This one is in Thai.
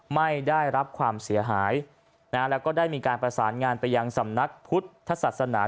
ไม่ได้รับความเสียหายนะฮะแล้วก็ได้มีการประสานงานไปยังสำนักพุทธศาสนา